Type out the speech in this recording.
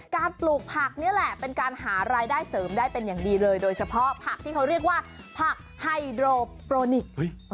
ปลูกผักนี่แหละเป็นการหารายได้เสริมได้เป็นอย่างดีเลยโดยเฉพาะผักที่เขาเรียกว่าผักไฮโดรโปรโปรนิก